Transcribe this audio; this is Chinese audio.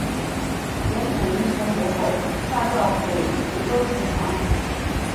元统一全国后下诏毁福州城墙。